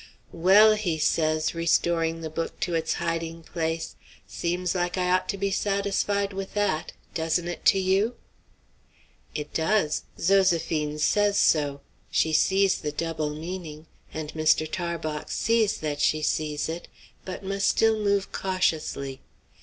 "Well," he says, restoring the book to its hiding place, "seems like I ought to be satisfied with that; doesn't it to you?" It does; Zoséphine says so. She sees the double meaning, and Mr. Tarbox sees that she sees it, but must still move cautiously.